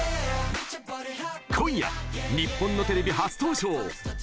今夜、日本のテレビ初登場。